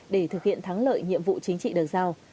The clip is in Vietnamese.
để thực hiện thắng lợi nhiệm vụ chính trị được giao